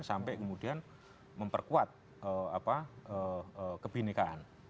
sampai kemudian memperkuat kebenekaan